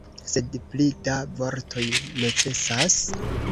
Sed pli da vortoj necesas?